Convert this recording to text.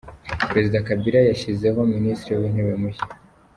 Perezida Kabila yashyizeho Minisitiri w’Intebe mushya.